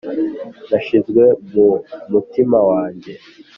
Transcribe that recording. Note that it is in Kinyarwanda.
nashizwe mu mutima wanjye,